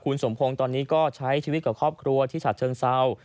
คุณสมพงศ์ตอนนี้ก็ใช้ชีวิตกับครอบครัวที่ฉัดเชิงเศร้า